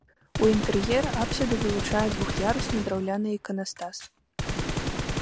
У інтэр'еры апсіду вылучае двух'ярусны драўляны іканастас.